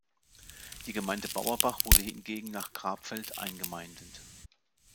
Die Gemeinde Bauerbach wurde hingegen nach Grabfeld eingemeindet.